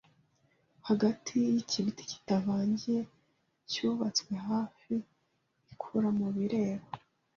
Hagati yikibiti kitavangiye Cyubatswe hafi ikura Mubireba